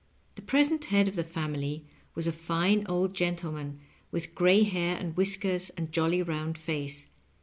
The present head of the family was a fine old gentleman, with gray hair and whiskers and jolly round face.